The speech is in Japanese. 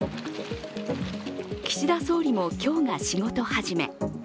岸田総理も今日が仕事始め。